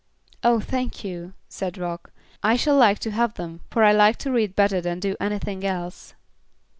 "Oh, thank you," said Rock. "I shall like to have them, for I like to read better than to do anything else."